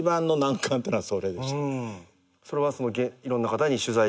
それはいろんな方に取材。